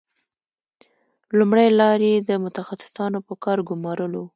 لومړۍ لار یې د متخصصانو په کار ګومارل وو